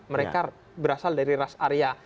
mereka berasal dari ras arya